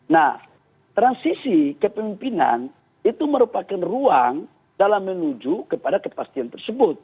nah transisi kepemimpinan itu merupakan ruang dalam menuju kepada kepastian tersebut